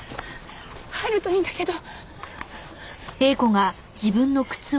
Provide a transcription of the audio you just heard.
入るといいんだけど。